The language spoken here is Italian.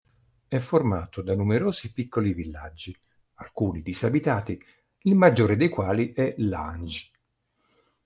È formato da numerosi piccoli villaggi, alcuni disabitati, il maggiore dei quali è Lange.